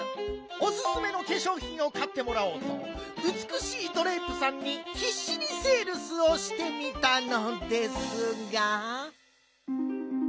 おすすめのけしょうひんをかってもらおうとうつくしいドレープさんにひっしにセールスをしてみたのですが。